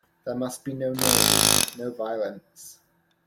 There must be no noise, no violence.